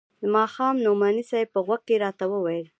ماښام نعماني صاحب په غوږ کښې راته وويل.